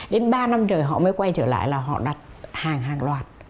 đến ba năm trời họ mới quay trở lại là họ đặt hàng hàng loạt